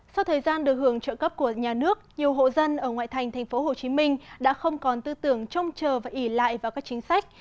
sau thời gian được hưởng trợ cấp của nhà nước nhiều hộ dân ở ngoại thành tp hcm đã không còn tư tưởng trông chờ và ỉ lại vào các chính sách